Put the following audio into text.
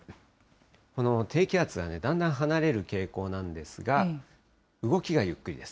この低気圧がだんだん離れる傾向なんですが、動きがゆっくりです。